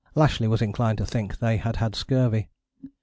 Lashly was inclined to think they had had scurvy.